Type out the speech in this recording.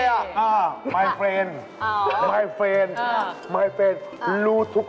เดี๋ยวเขาเป็นเตอรีย์ไม่ได้เป็นอินเดีย